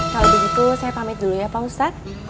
kalau begitu saya pamit dulu ya pak ustadz